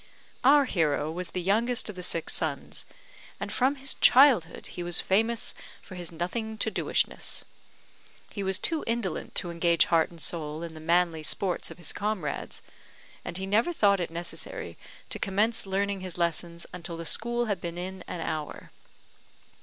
Our hero was the youngest of the six sons; and from his childhood he was famous for his nothing to doishness. He was too indolent to engage heart and soul in the manly sports of his comrades; and he never thought it necessary to commence learning his lessons until the school had been in an hour.